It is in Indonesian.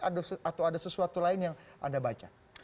atau ada sesuatu lain yang anda baca